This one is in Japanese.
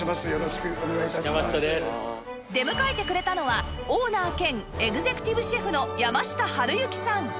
出迎えてくれたのはオーナー兼エグゼクティブシェフの山下春幸さん